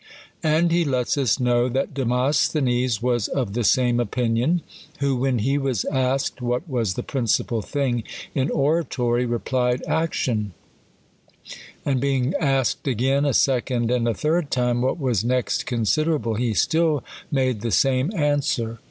And he lets us know, that Demosthenes was of the same opinion ; who, when he was asked what was the principal thing in oratory, replied, Action ; and being asked again a second and a third time, what was Hext considerable, he still made the same answer. AncJ, 8 THE COLUMBIAN ORATOR.